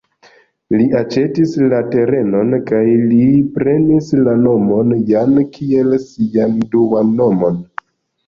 Li aĉetis la terenon, kaj li prenis la nomon "Jan" kiel sian duan nomon.